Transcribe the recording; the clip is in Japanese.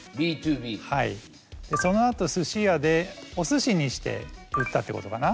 はいその後すし屋でおすしにして売ったってことかな。